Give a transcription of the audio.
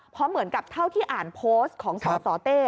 เพราะเหมือนกับเท่าที่อ่านโพสต์ของสสเต้